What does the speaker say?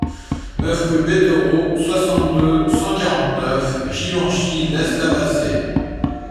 neuf rue Betterots, soixante-deux, cent quarante-neuf, Givenchy-lès-la-Bassée